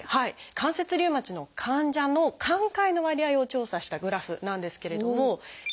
関節リウマチの患者の寛解の割合を調査したグラフなんですけれども。